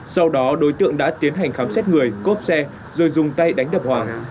sau đó đối tượng đã tiến hành khám xét người cốp xe rồi dùng tay đánh đập hoàng